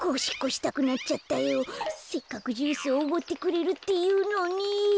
せっかくジュースをおごってくれるっていうのに。